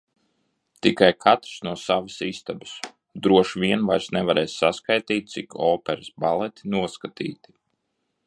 Tikai katrs no savas istabas. Droši vien vairs nevarēs saskaitīt, cik operas, baleti noskatīti.